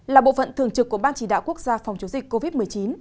là bộ phận thường trực của ban chỉ đạo quốc gia phòng chống dịch covid một mươi chín